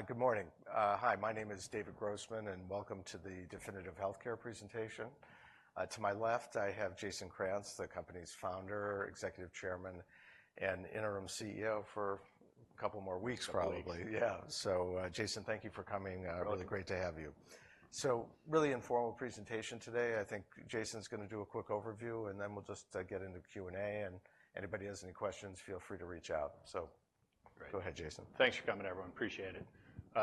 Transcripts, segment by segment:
Great. Good morning. Hi, my name is David Grossman, and welcome to the Definitive Healthcare presentation. To my left, I have Jason Krantz, the company's founder, Executive Chairman, and Interim CEO for a couple more weeks, probably. Couple weeks. Yeah. So, Jason, thank you for coming. Welcome. Really great to have you. So, really informal presentation today. I think Jason's gonna do a quick overview, and then we'll just get into the Q&A, and anybody has any questions, feel free to reach out. So- Great. Go ahead, Jason. Thanks for coming, everyone. Appreciate it.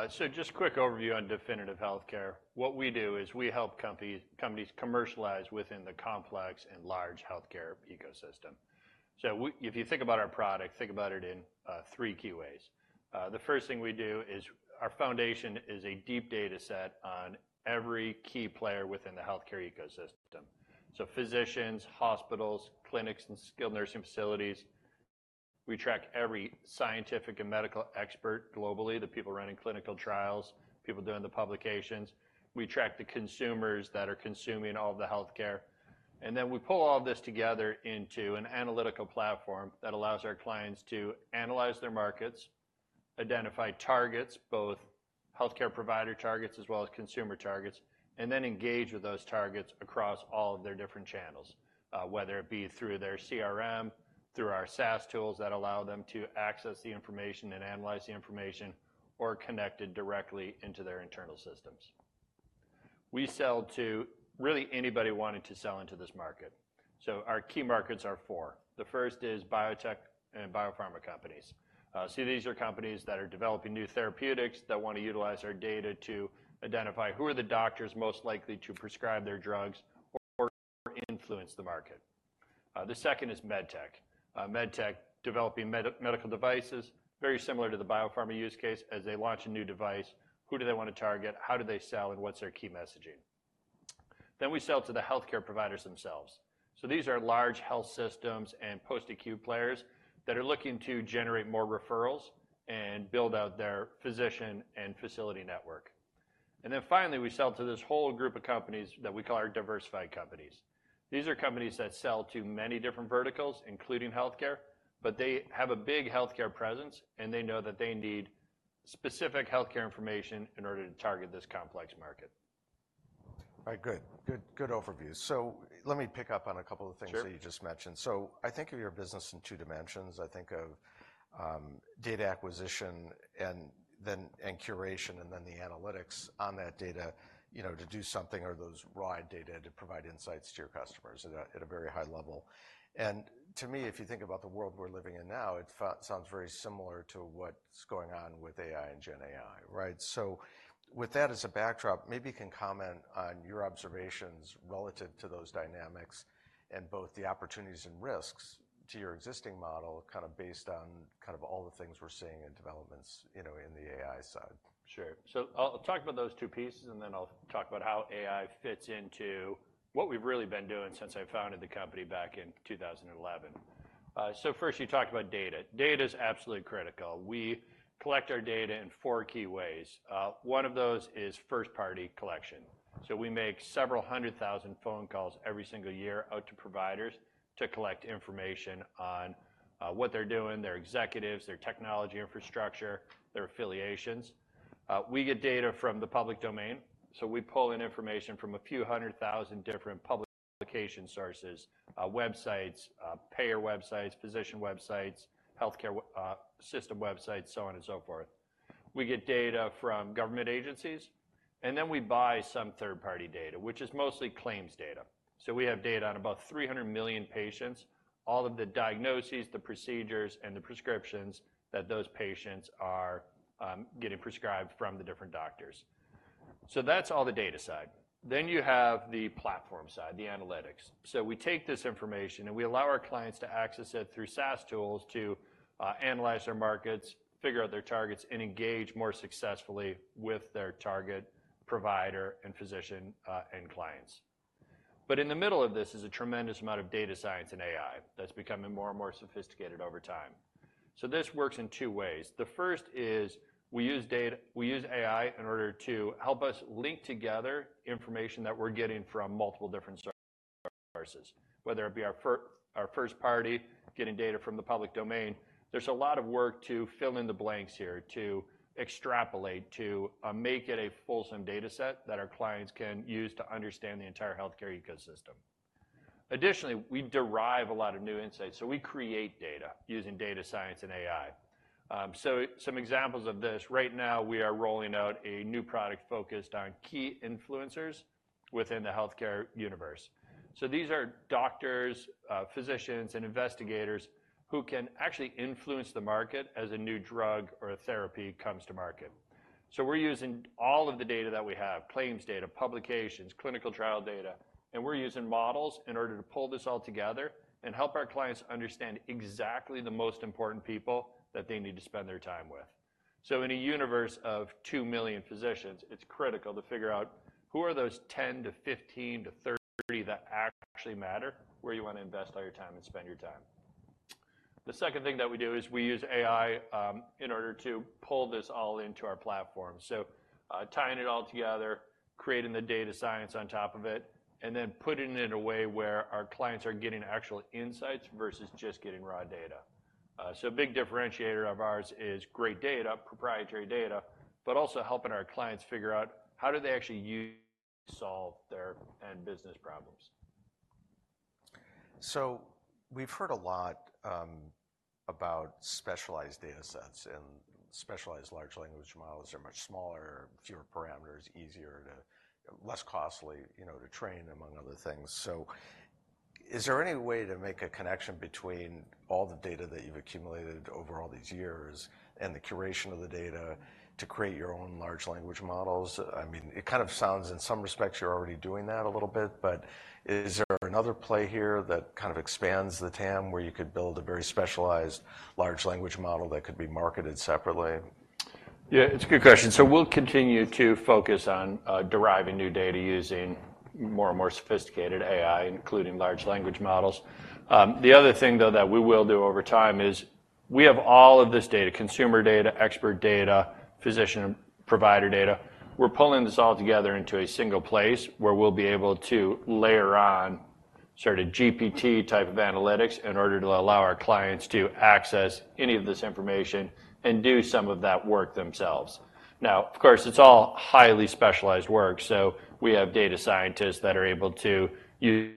So, just a quick overview on Definitive Healthcare. What we do is we help companies commercialize within the complex and large healthcare ecosystem. So, if you think about our product, think about it in three key ways. The first thing we do is our foundation is a deep data set on every key player within the healthcare ecosystem. So physicians, hospitals, clinics, and skilled nursing facilities. We track every scientific and medical expert globally, the people running clinical trials, people doing the publications. We track the consumers that are consuming all of the healthcare. Then we pull all this together into an analytical platform that allows our clients to analyze their markets, identify targets, both healthcare provider targets as well as consumer targets, and then engage with those targets across all of their different channels, whether it be through their CRM, through our SaaS tools that allow them to access the information and analyze the information, or connected directly into their internal systems. We sell to really anybody wanting to sell into this market. So our key markets are four. The first is biotech and biopharma companies. So these are companies that are developing new therapeutics that want to utilize our data to identify who are the doctors most likely to prescribe their drugs or influence the market. The second is medtech. Medtech, developing medical devices, very similar to the biopharma use case. As they launch a new device, who do they want to target? How do they sell, and what's their key messaging? Then we sell to the healthcare providers themselves. So these are large health systems and post-acute players that are looking to generate more referrals and build out their physician and facility network. And then finally, we sell to this whole group of companies that we call our diversified companies. These are companies that sell to many different verticals, including healthcare, but they have a big healthcare presence, and they know that they need specific healthcare information in order to target this complex market. All right, good. Good, good overview. So let me pick up on a couple of things- Sure... that you just mentioned. So I think of your business in two dimensions. I think of data acquisition and then and curation, and then the analytics on that data, you know, to do something, or those raw data to provide insights to your customers at a very high level. And to me, if you think about the world we're living in now, it sounds very similar to what's going on with AI and GenAI, right? So with that as a backdrop, maybe you can comment on your observations relative to those dynamics and both the opportunities and risks to your existing model, kind of based on kind of all the things we're seeing in developments, you know, in the AI side. Sure. So I'll, I'll talk about those two pieces, and then I'll talk about how AI fits into what we've really been doing since I founded the company back in 2011. So first, you talked about data. Data is absolutely critical. We collect our data in four key ways. One of those is first-party collection. So we make several hundred thousand phone calls every single year out to providers to collect information on what they're doing, their executives, their technology infrastructure, their affiliations. We get data from the public domain, so we pull in information from a few hundred thousand different public application sources, websites, payer websites, physician websites, healthcare system websites, so on and so forth. We get data from government agencies, and then we buy some third-party data, which is mostly claims data. So we have data on about 300 million patients, all of the diagnoses, the procedures, and the prescriptions that those patients are getting prescribed from the different doctors. So that's all the data side. Then you have the platform side, the analytics. So we take this information, and we allow our clients to access it through SaaS tools to analyze their markets, figure out their targets, and engage more successfully with their target provider and physician, and clients. But in the middle of this is a tremendous amount of data science and AI that's becoming more and more sophisticated over time. So this works in two ways. The first is we use AI in order to help us link together information that we're getting from multiple different sources, whether it be our first party, getting data from the public domain. There's a lot of work to fill in the blanks here, to extrapolate, to make it a fulsome data set that our clients can use to understand the entire healthcare ecosystem. Additionally, we derive a lot of new insights, so we create data using data science and AI. So some examples of this: right now, we are rolling out a new product focused on key influencers within the healthcare universe. So these are doctors, physicians, and investigators who can actually influence the market as a new drug or a therapy comes to market. So we're using all of the data that we have, claims data, publications, clinical trial data, and we're using models in order to pull this all together and help our clients understand exactly the most important people that they need to spend their time with. So in a universe of 2 million physicians, it's critical to figure out who are those 10 to 15 to 30 that actually matter, where you want to invest all your time and spend your time. The second thing that we do is we use AI in order to pull this all into our platform. So, tying it all together, creating the data science on top of it, and then putting it in a way where our clients are getting actual insights versus just getting raw data. So a big differentiator of ours is great data, proprietary data, but also helping our clients figure out how do they actually solve their end business problems. So we've heard a lot about specialized data sets and specialized large language models are much smaller, fewer parameters, easier to less costly, you know, to train, among other things. So is there any way to make a connection between all the data that you've accumulated over all these years and the curation of the data to create your own large language models? I mean, it kind of sounds, in some respects, you're already doing that a little bit, but is there another play here that kind of expands the TAM, where you could build a very specialized large language model that could be marketed separately? Yeah, it's a good question. So we'll continue to focus on deriving new data using more and more sophisticated AI, including large language models. The other thing, though, that we will do over time is we have all of this data, consumer data, expert data, physician provider data. We're pulling this all together into a single place, where we'll be able to layer on sort of GPT type of analytics in order to allow our clients to access any of this information and do some of that work themselves. Now, of course, it's all highly specialized work, so we have data scientists that are able to use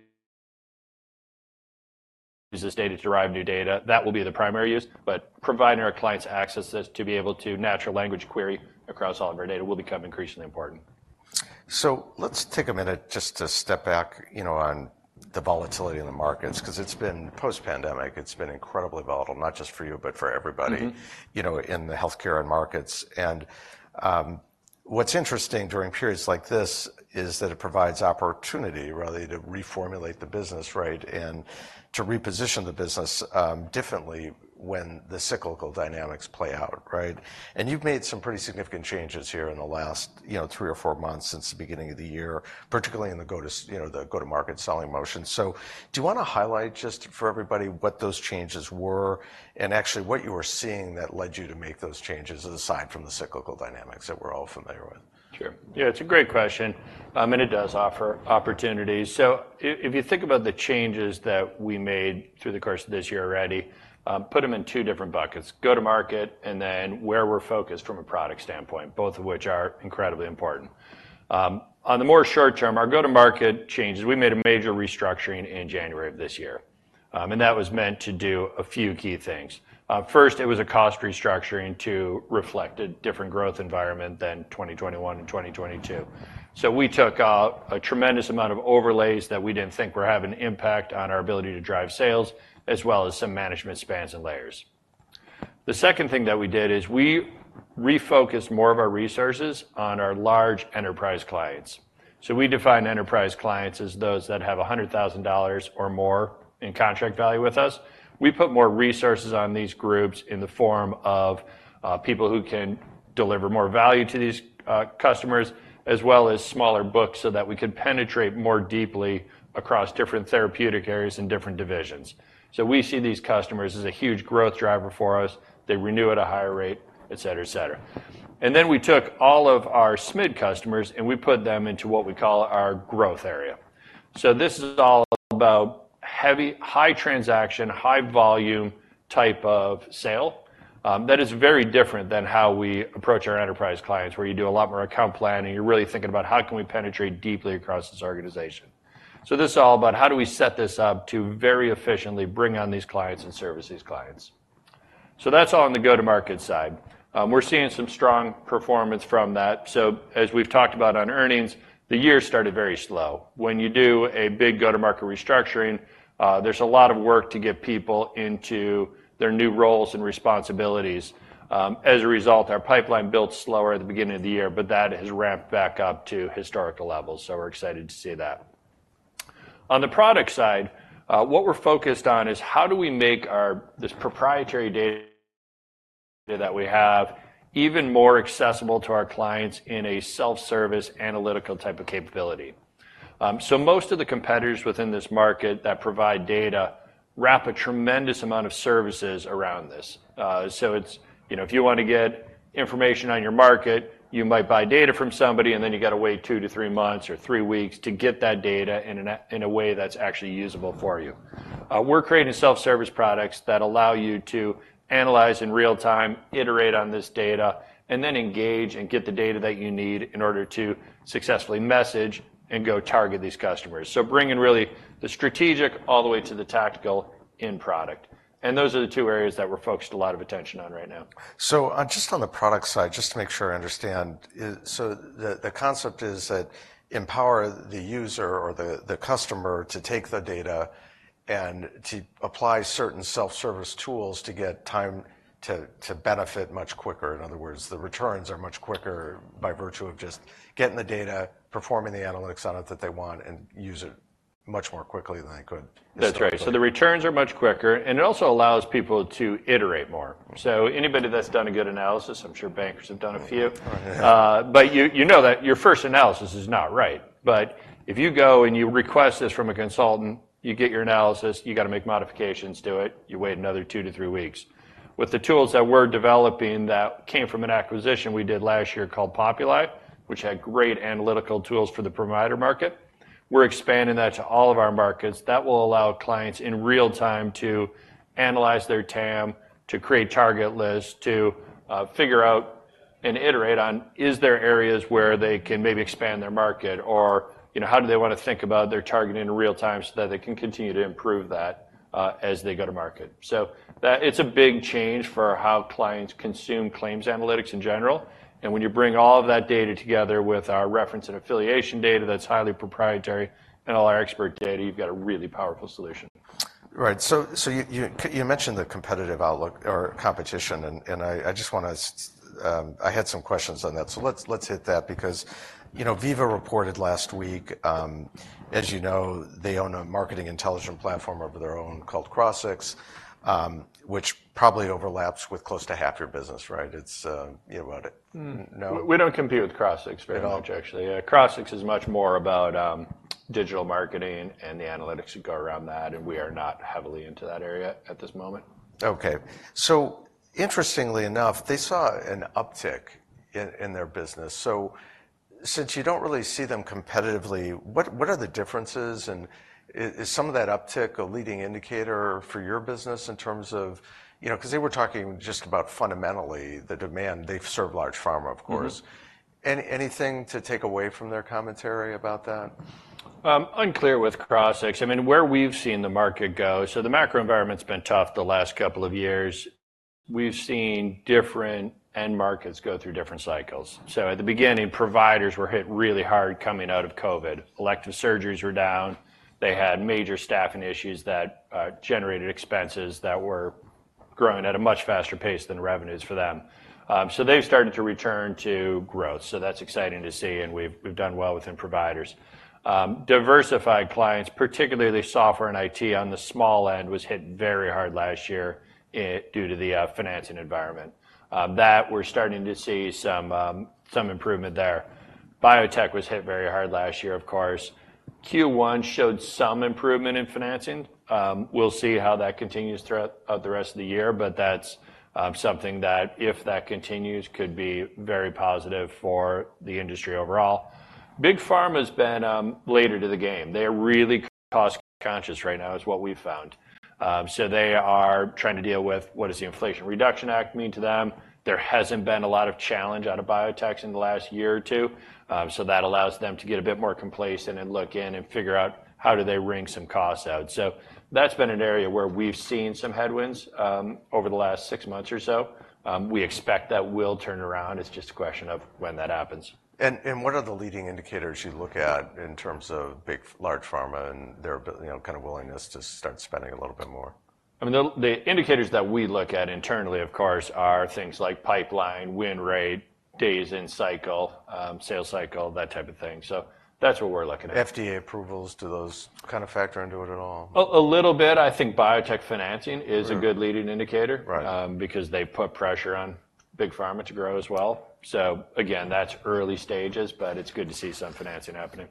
this data to derive new data. That will be the primary use, but providing our clients access this to be able to natural language query across all of our data will become increasingly important. Let's take a minute just to step back, you know, on the volatility in the markets, 'cause it's been post-pandemic, it's been incredibly volatile, not just for you, but for everybody- Mm-hmm. You know, in the healthcare and markets. And, what's interesting during periods like this is that it provides opportunity, really, to reformulate the business, right? And to reposition the business, differently when the cyclical dynamics play out, right? And you've made some pretty significant changes here in the last, you know, three or four months since the beginning of the year, particularly in the go-to-market selling motion. So do you wanna highlight just for everybody, what those changes were and actually what you were seeing that led you to make those changes, aside from the cyclical dynamics that we're all familiar with? Sure. Yeah, it's a great question, and it does offer opportunities. So if you think about the changes that we made through the course of this year already, put them in two different buckets: go-to-market, and then where we're focused from a product standpoint, both of which are incredibly important. On the more short term, our go-to-market changes, we made a major restructuring in January of this year. And that was meant to do a few key things. First, it was a cost restructuring to reflect a different growth environment than 2021 and 2022. So we took out a tremendous amount of overlays that we didn't think were having an impact on our ability to drive sales, as well as some management spans and layers. The second thing that we did is we refocused more of our resources on our large enterprise clients. So we define enterprise clients as those that have $100,000 or more in contract value with us. We put more resources on these groups in the form of people who can deliver more value to these customers, as well as smaller books so that we could penetrate more deeply across different therapeutic areas and different divisions. So we see these customers as a huge growth driver for us. They renew at a higher rate, et cetera, et cetera. And then we took all of our SMID customers, and we put them into what we call our growth area. So this is all about heavy, high transaction, high volume type of sale, that is very different than how we approach our enterprise clients, where you do a lot more account planning, you're really thinking about how can we penetrate deeply across this organization. So this is all about how do we set this up to very efficiently bring on these clients and service these clients. So that's all on the go-to-market side. We're seeing some strong performance from that. So as we've talked about on earnings, the year started very slow. When you do a big go-to-market restructuring, there's a lot of work to get people into their new roles and responsibilities. As a result, our pipeline built slower at the beginning of the year, but that has ramped back up to historical levels, so we're excited to see that. On the product side, what we're focused on is, how do we make our this proprietary data that we have even more accessible to our clients in a self-service, analytical type of capability? Most of the competitors within this market that provide data wrap a tremendous amount of services around this. It's, you know, if you wanna get information on your market, you might buy data from somebody, and then you got to wait two to three months or three weeks to get that data in a way that's actually usable for you. We're creating self-service products that allow you to analyze in real time, iterate on this data, and then engage and get the data that you need in order to successfully message and go target these customers. Bringing really the strategic all the way to the tactical in product. Those are the two areas that we're focused a lot of attention on right now. So, on the product side, just to make sure I understand. So, the concept is to empower the user or the customer to take the data and to apply certain self-service tools to get time to benefit much quicker. In other words, the returns are much quicker by virtue of just getting the data, performing the analytics on it that they want, and use it much more quickly than they could. That's right. So the returns are much quicker, and it also allows people to iterate more. So anybody that's done a good analysis, I'm sure bankers have done a few, but you know that your first analysis is not right. But if you go and you request this from a consultant, you get your analysis, you gotta make modifications to it. You wait another two-three weeks. With the tools that we're developing that came from an acquisition we did last year called Populi, which had great analytical tools for the provider market, we're expanding that to all of our markets. That will allow clients in real time to analyze their TAM, to create target lists, to figure out and iterate on, is there areas where they can maybe expand their market? Or, you know, how do they wanna think about their targeting in real time, so that they can continue to improve that, as they go to market. So that's a big change for how clients consume claims analytics in general, and when you bring all of that data together with our reference and affiliation data that's highly proprietary and all our expert data, you've got a really powerful solution. Right. So you mentioned the competitive outlook or competition, and I just wanna, I had some questions on that. So let's hit that, because, you know, Veeva reported last week, as you know, they own a marketing intelligence platform of their own called Crossix, which probably overlaps with close to half your business, right? It's, you know about it, no? We don't compete with Crossix- At all? Very much, actually. Yeah, Crossix is much more about digital marketing and the analytics that go around that, and we are not heavily into that area at this moment. Okay. So interestingly enough, they saw an uptick in their business. So since you don't really see them competitively, what are the differences? And is some of that uptick a leading indicator for your business in terms of... You know, 'cause they were talking just about fundamentally the demand. They serve large pharma, of course. Mm-hmm. Anything to take away from their commentary about that? Unlike with Crossix. I mean, where we've seen the market go, so the macro environment's been tough the last couple of years. We've seen different end markets go through different cycles. So at the beginning, providers were hit really hard coming out of COVID. Elective surgeries were down. They had major staffing issues that generated expenses that were growing at a much faster pace than revenues for them. So they've started to return to growth, so that's exciting to see, and we've done well within providers. Diversified clients, particularly software and IT on the small end, was hit very hard last year due to the financing environment. That we're starting to see some improvement there. Biotech was hit very hard last year, of course. Q1 showed some improvement in financing. We'll see how that continues throughout the rest of the year, but that's something that if that continues, could be very positive for the industry overall. Big pharma has been later to the game. They're really cost-conscious right now, is what we've found. So they are trying to deal with, what does the Inflation Reduction Act mean to them? There hasn't been a lot of challenge out of biotechs in the last year or two, so that allows them to get a bit more complacent and look in and figure out, how do they wring some costs out? So that's been an area where we've seen some headwinds over the last six months or so. We expect that will turn around. It's just a question of when that happens. What are the leading indicators you look at in terms of large pharma and their, you know, kind of willingness to start spending a little bit more? I mean, the indicators that we look at internally, of course, are things like pipeline, win rate, days in cycle, sales cycle, that type of thing. So that's what we're looking at. FDA approvals, do those kind of factor into it at all? A little bit. I think biotech financing is- Right... a good leading indicator- Right... because they put pressure on big pharma to grow as well. So again, that's early stages, but it's good to see some financing happening.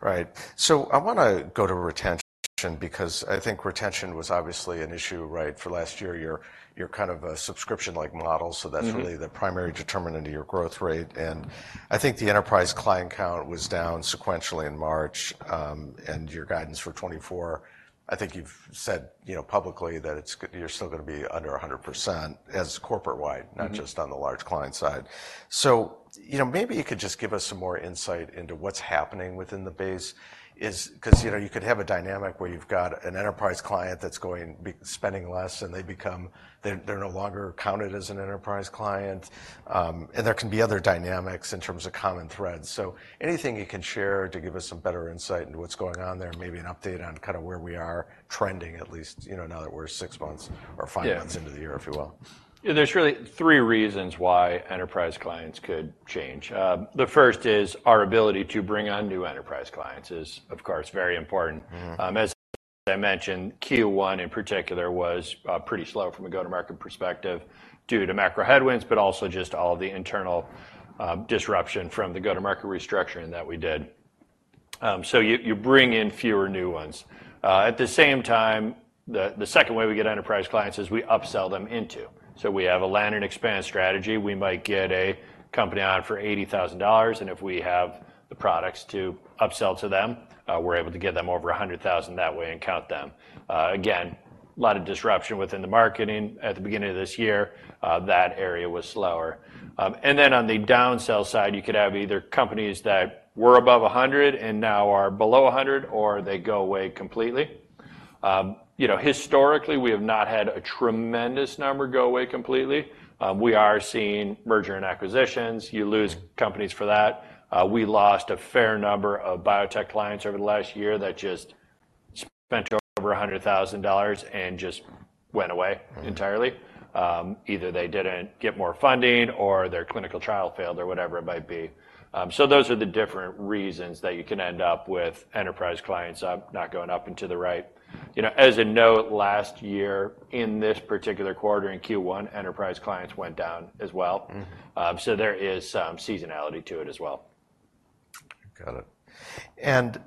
Right. So I wanna go to retention, because I think retention was obviously an issue, right, for last year. Your, your kind of a subscription-like model- Mm-hmm... so that's really the primary determinant of your growth rate. And I think the enterprise client count was down sequentially in March. And your guidance for 2024, I think you've said, you know, publicly, that it's—you're still gonna be under 100% as corporate-wide- Mm-hmm... not just on the large client side. So, you know, maybe you could just give us some more insight into what's happening within the base. 'Cause, you know, you could have a dynamic where you've got an enterprise client that's going be spending less, and they become they, they're no longer counted as an enterprise client. And there can be other dynamics in terms of common threads. So anything you can share to give us some better insight into what's going on there, and maybe an update on kinda where we are trending at least, you know, now that we're six months or five- Yeah... months into the year, if you will. Yeah. There's really three reasons why enterprise clients could change. The first is our ability to bring on new enterprise clients is, of course, very important. Mm-hmm. As I mentioned, Q1 in particular was pretty slow from a go-to-market perspective due to macro headwinds, but also just all of the internal disruption from the go-to-market restructuring that we did. So you bring in fewer new ones. At the same time, the second way we get enterprise clients is we upsell them into. So we have a land and expand strategy. We might get a company on for $80,000, and if we have the products to upsell to them, we're able to get them over $100,000 that way and count them. Again, a lot of disruption within the marketing at the beginning of this year, that area was slower. And then on the downsell side, you could have either companies that were above $100,000 and now are below $100,000, or they go away completely. You know, historically, we have not had a tremendous number go away completely. We are seeing merger and acquisitions. You lose companies for that. We lost a fair number of biotech clients over the last year that just spent over $100,000 and just went away. Mm... entirely. Either they didn't get more funding, or their clinical trial failed, or whatever it might be. So those are the different reasons that you can end up with enterprise clients, not going up and to the right. You know, as a note, last year, in this particular quarter, in Q1, enterprise clients went down as well. Mm. So there is some seasonality to it as well. Got it. And,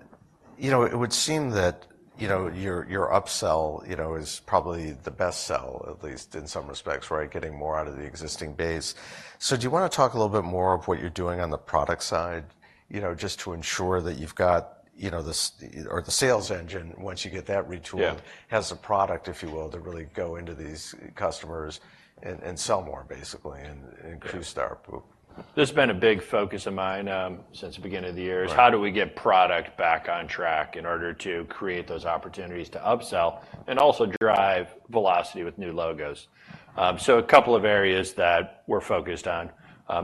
you know, it would seem that you know, your upsell, you know, is probably the best sell, at least in some respects, right? Getting more out of the existing base. So do you wanna talk a little bit more of what you're doing on the product side, you know, just to ensure that you've got, you know, the sales engine, once you get that retooled- Yeah has a product, if you will, to really go into these customers and sell more basically, and increase ARPU. This has been a big focus of mine, since the beginning of the year. Right. Is how do we get product back on track in order to create those opportunities to upsell and also drive velocity with new logos? So a couple of areas that we're focused on.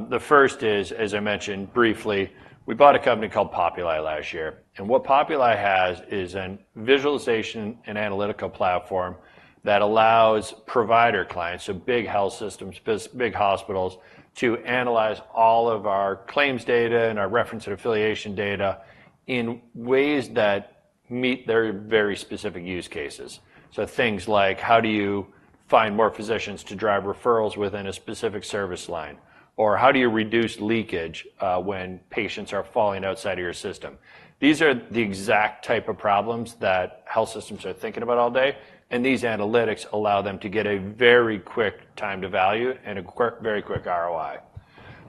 The first is, as I mentioned briefly, we bought a company called Populi last year, and what Populi has is a visualization and analytical platform that allows provider clients, so big health systems, big hospitals, to analyze all of our claims data and our reference and affiliation data in ways that meet their very specific use cases. So things like, how do you find more physicians to drive referrals within a specific service line? Or how do you reduce leakage when patients are falling outside of your system? These are the exact type of problems that health systems are thinking about all day, and these analytics allow them to get a very quick time to value and a quick, very quick ROI.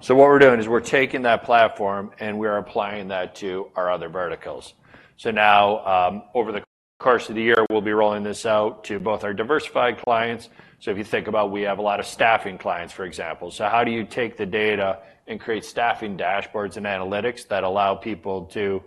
So what we're doing is we're taking that platform, and we're applying that to our other verticals. So now, over the course of the year, we'll be rolling this out to both our diversified clients. So if you think about we have a lot of staffing clients, for example. So how do you take the data and create staffing dashboards and analytics that allow people to,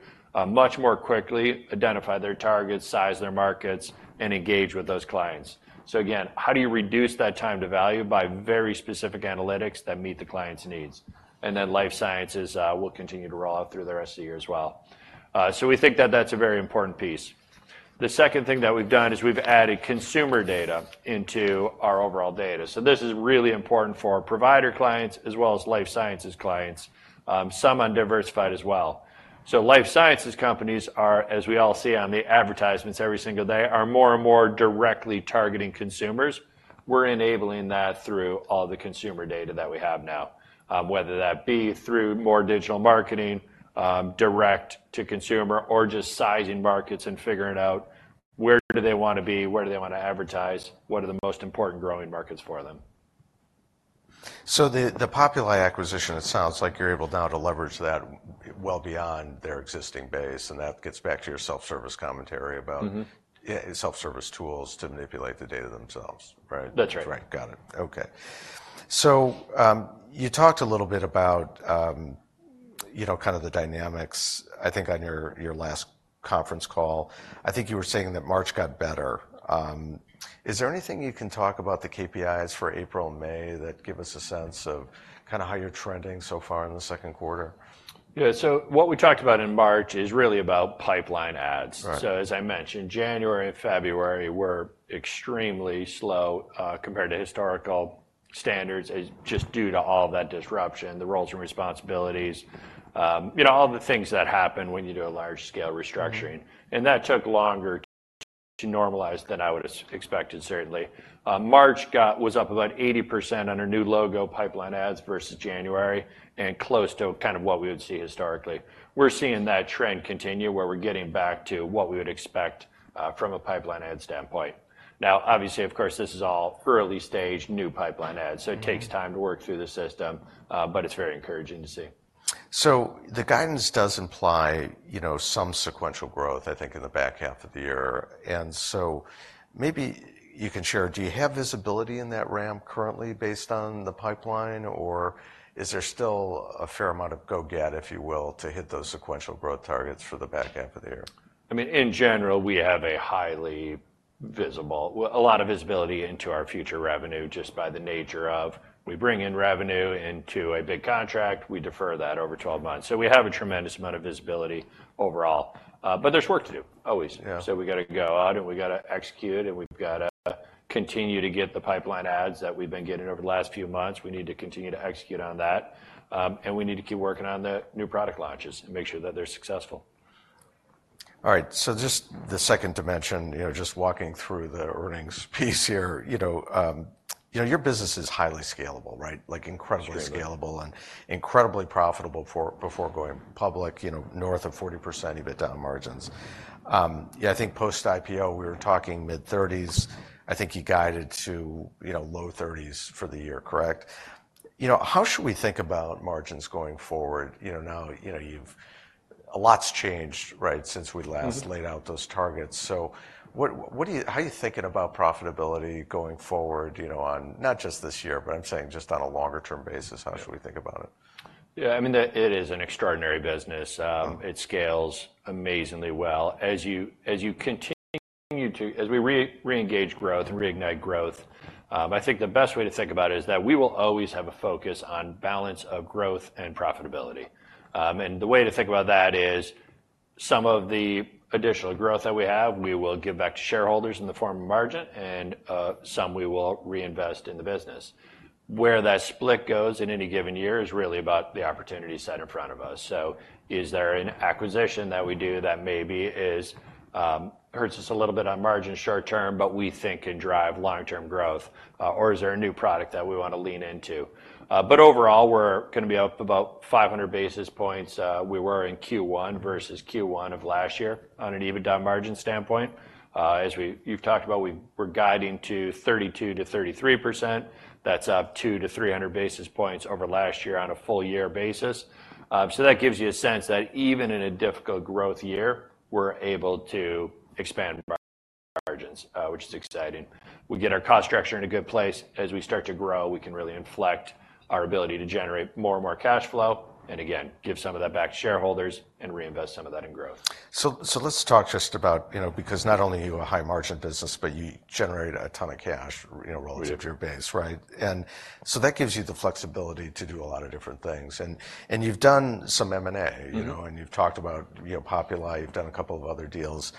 much more quickly identify their targets, size their markets, and engage with those clients? So again, how do you reduce that time to value by very specific analytics that meet the client's needs? And then life sciences, we'll continue to roll out through the rest of the year as well. So we think that that's a very important piece. The second thing that we've done is we've added consumer data into our overall data. So this is really important for our provider clients as well as life sciences clients, some on diversified as well. So life sciences companies are, as we all see on the advertisements every single day, are more and more directly targeting consumers. We're enabling that through all the consumer data that we have now. Whether that be through more digital marketing, direct to consumer, or just sizing markets and figuring out where do they wanna be, where do they wanna advertise, what are the most important growing markets for them. So the Populi acquisition, it sounds like you're able now to leverage that well beyond their existing base, and that gets back to your self-service commentary about- Mm-hmm... yeah, self-service tools to manipulate the data themselves, right? That's right. Right. Got it. Okay. So, you talked a little bit about, you know, kind of the dynamics, I think on your, your last conference call. I think you were saying that March got better. Is there anything you can talk about the KPIs for April and May that give us a sense of kinda how you're trending so far in the second quarter? Yeah, so what we talked about in March is really about pipeline adds. Right. So as I mentioned, January and February were extremely slow, compared to historical standards, just due to all that disruption, the roles and responsibilities, you know, all the things that happen when you do a large-scale restructuring. Mm-hmm. And that took longer to normalize than I would've expected, certainly. March was up about 80% on our new logo pipeline adds versus January, and close to kind of what we would see historically. We're seeing that trend continue, where we're getting back to what we would expect from a pipeline add standpoint. Now, obviously, of course, this is all early-stage, new pipeline adds- Mm-hmm... so it takes time to work through the system, but it's very encouraging to see. So the guidance does imply, you know, some sequential growth, I think, in the back half of the year, and so maybe you can share, do you have visibility in that ramp currently based on the pipeline, or is there still a fair amount of go get, if you will, to hit those sequential growth targets for the back half of the year? I mean, in general, we have a highly visible... well, a lot of visibility into our future revenue, just by the nature of we bring in revenue into a big contract, we defer that over 12 months. So we have a tremendous amount of visibility overall. But there's work to do, always. Yeah. So we gotta go out, and we gotta execute, and we've gotta continue to get the pipeline adds that we've been getting over the last few months. We need to continue to execute on that. And we need to keep working on the new product launches and make sure that they're successful. All right, so just the second dimension, you know, just walking through the earnings piece here, you know, your business is highly scalable, right? Like, incredibly- Extremely... scalable and incredibly profitable for before going public, you know, north of 40% EBITDA margins. Yeah, I think post-IPO, we were talking mid-30s. I think you guided to, you know, low 30s for the year, correct? You know, how should we think about margins going forward? You know, now, you know, you've a lot's changed, right, since we last- Mm-hmm... laid out those targets. So how are you thinking about profitability going forward, you know, on not just this year, but I'm saying just on a longer-term basis? Yeah... how should we think about it? Yeah, I mean, it is an extraordinary business. Mm-hmm. It scales amazingly well. As we reengage growth and reignite growth, I think the best way to think about it is that we will always have a focus on balance of growth and profitability. And the way to think about that is some of the additional growth that we have, we will give back to shareholders in the form of margin, and some we will reinvest in the business... where that split goes in any given year is really about the opportunity set in front of us. So is there an acquisition that we do that maybe is hurts us a little bit on margin short term, but we think can drive long-term growth? Or is there a new product that we wanna lean into? Overall, we're gonna be up about 500 basis points, we were in Q1 versus Q1 of last year on an EBITDA margin standpoint. As you've talked about, we're guiding to 32%-33%. That's up 200-300 basis points over last year on a full year basis. So that gives you a sense that even in a difficult growth year, we're able to expand margins, which is exciting. We get our cost structure in a good place. As we start to grow, we can really inflect our ability to generate more and more cash flow and again, give some of that back to shareholders and reinvest some of that in growth. So, let's talk just about, you know, because not only are you a high margin business, but you generate a ton of cash, you know- We do... relative to your base, right? And so that gives you the flexibility to do a lot of different things. And, and you've done some M&A- Mm-hmm... you know, and you've talked about, you know, Populi, you've done a couple of other deals.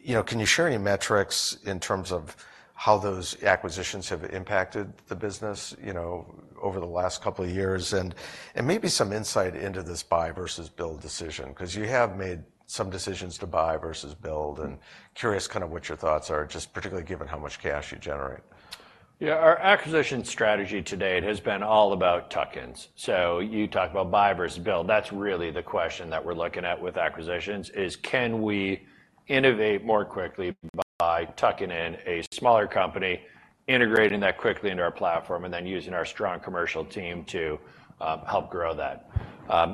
You know, can you share any metrics in terms of how those acquisitions have impacted the business, you know, over the last couple of years? And maybe some insight into this buy versus build decision, 'cause you have made some decisions to buy versus build, and curious kind of what your thoughts are, just particularly given how much cash you generate. Yeah, our acquisition strategy to date has been all about tuck-ins. So you talk about buy versus build, that's really the question that we're looking at with acquisitions, is can we innovate more quickly by tucking in a smaller company, integrating that quickly into our platform, and then using our strong commercial team to help grow that?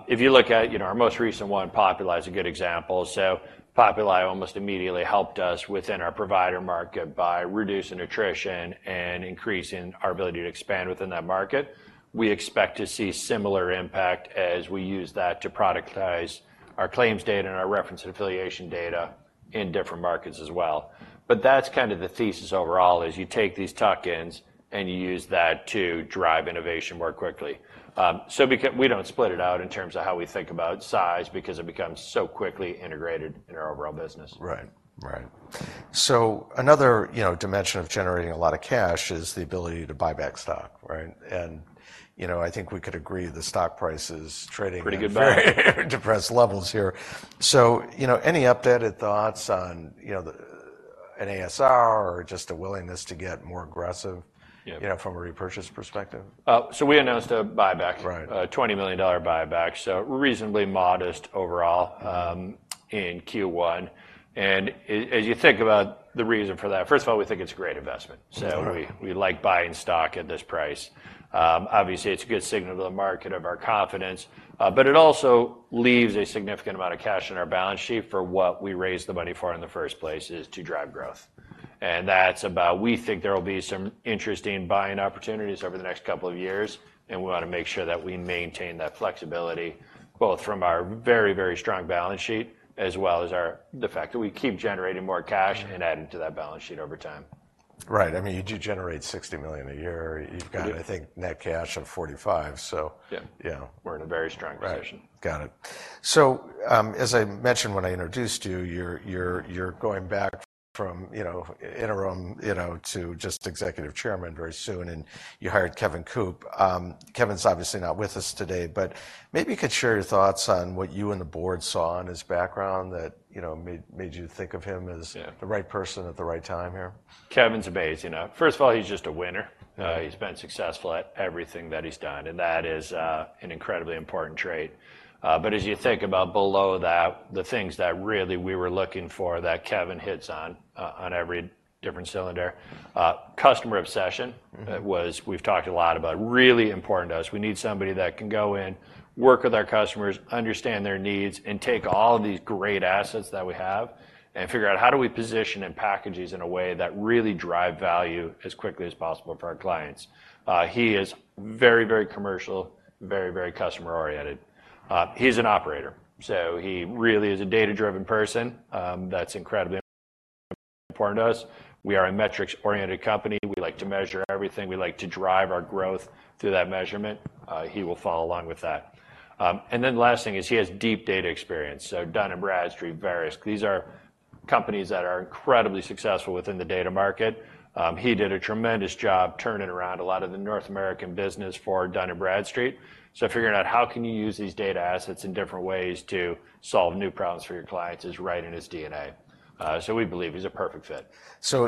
If you look at, you know, our most recent one, Populi is a good example. So Populi almost immediately helped us within our provider market by reducing attrition and increasing our ability to expand within that market. We expect to see similar impact as we use that to productize our claims data and our reference and affiliation data in different markets as well. But that's kind of the thesis overall, is you take these tuck-ins, and you use that to drive innovation more quickly. So we don't split it out in terms of how we think about size because it becomes so quickly integrated in our overall business. Right. Right. So another, you know, dimension of generating a lot of cash is the ability to buy back stock, right? And, you know, I think we could agree, the stock price is trading- Pretty good value!... very depressed levels here. So, you know, any updated thoughts on, you know, an ASR or just a willingness to get more aggressive? Yeah... you know, from a repurchase perspective? So we announced a buyback. Right. A $20 million buyback, so reasonably modest overall- Mm... in Q1. And as you think about the reason for that, first of all, we think it's a great investment. Mm. So we like buying stock at this price. Obviously, it's a good signal to the market of our confidence, but it also leaves a significant amount of cash on our balance sheet for what we raised the money for in the first place, is to drive growth. And that's about, we think there will be some interesting buying opportunities over the next couple of years, and we wanna make sure that we maintain that flexibility, both from our very, very strong balance sheet, as well as our, the fact that we keep generating more cash- Mm... and adding to that balance sheet over time. Right. I mean, you do generate $60 million a year. Yeah. You've got, I think, net cash of $45, so- Yeah... yeah. We're in a very strong position. Right. Got it. So, as I mentioned when I introduced you, you're going back from, you know, interim, you know, to just executive chairman very soon, and you hired Kevin Coop. Kevin's obviously not with us today, but maybe you could share your thoughts on what you and the board saw in his background that, you know, made you think of him as- Yeah... the right person at the right time here. Kevin's amazing. First of all, he's just a winner. Yeah. He's been successful at everything that he's done, and that is an incredibly important trait. But as you think about below that, the things that really we were looking for, that Kevin hits on, on every different cylinder. Customer obsession- Mm-hmm... was, we've talked a lot about, really important to us. We need somebody that can go in, work with our customers, understand their needs, and take all of these great assets that we have and figure out how do we position and package these in a way that really drive value as quickly as possible for our clients. He is very, very commercial, very, very customer oriented. He's an operator, so he really is a data-driven person. That's incredibly important to us. We are a metrics-oriented company. We like to measure everything. We like to drive our growth through that measurement. He will follow along with that. And then last thing is he has deep data experience, so Dun & Bradstreet, Verisk, these are companies that are incredibly successful within the data market. He did a tremendous job turning around a lot of the North American business for Dun & Bradstreet. So figuring out how can you use these data assets in different ways to solve new problems for your clients is right in his DNA. So we believe he's a perfect fit.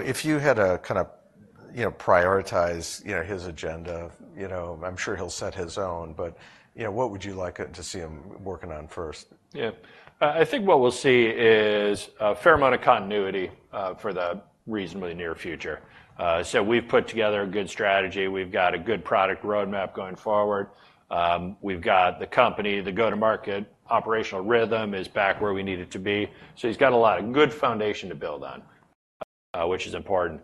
If you had to kind of, you know, prioritize, you know, his agenda, you know, I'm sure he'll set his own, but, you know, what would you like to see him working on first? Yeah. I think what we'll see is a fair amount of continuity for the reasonably near future. So we've put together a good strategy. We've got a good product roadmap going forward. We've got the company, the go-to-market operational rhythm is back where we need it to be. So he's got a lot of good foundation to build on, which is important.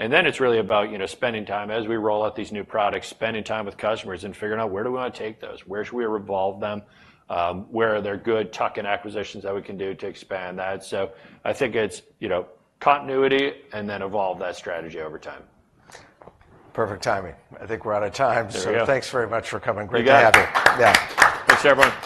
And then it's really about, you know, spending time, as we roll out these new products, spending time with customers and figuring out where do we wanna take those? Where should we evolve them? Where are there good tuck-in acquisitions that we can do to expand that? So I think it's, you know, continuity and then evolve that strategy over time. Perfect timing. I think we're out of time. There we go. Thanks very much for coming. You got it. Great to have you. Yeah. Thanks, everyone.